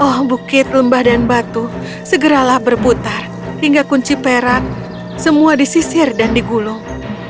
oh bukit lembah dan batu segeralah berputar hingga kunci perak semua disisir dan digulung